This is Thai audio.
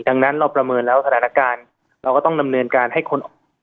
ดังนั้นเราประเมินแล้วสถานการณ์เราก็ต้องดำเนินการให้คนออก